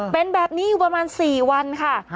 เป็นแบบนี้อยู่ประมาณ๔วันค่ะ